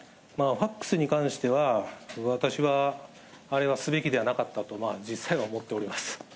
ファックスに関しては、私はあれはすべきではなかったと、実際は思っております。